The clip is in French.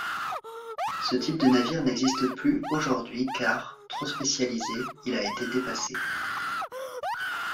Ce type de navire n'existe plus aujourd'hui car, trop spécialisé, il a été dépassé.